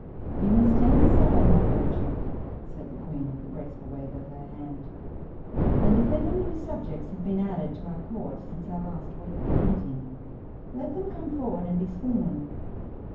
"You may stand aside, my lord duke," said the queen, with a graceful wave of her hand, "and if any new subjects have been added to our court since our last weekly meeting, let them come forward, and be sworn."